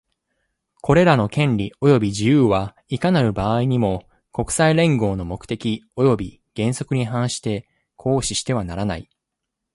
これらの権利及び自由は、いかなる場合にも、国際連合の目的及び原則に反して行使してはならない。